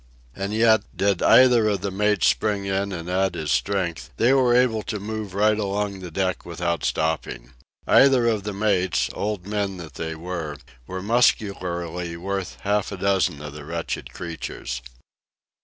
And yet, did either of the mates spring in and add his strength, they were able to move right along the deck without stopping. Either of the mates, old men that they were, was muscularly worth half a dozen of the wretched creatures.